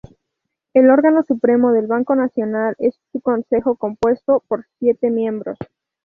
El órgano supremo del Banco Nacional es su consejo compuesto por siete miembros.